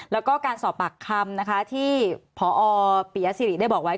แล้วก็การสอบปากคำนะคะที่พอปียสิริได้บอกไว้